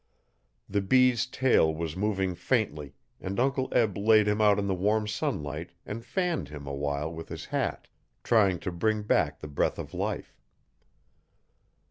The bee's tail was moving faintly and Uncle Eb laid him out in the warm sunlight and fanned him awhile with his hat, trying to bring back the breath of life.